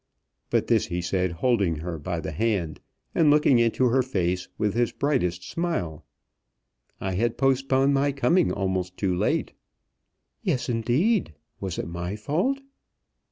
But this he said holding her by the hand, and looking into her face with his brightest smile. "I had postponed my coming almost too late." "Yes, indeed. Was it my fault?"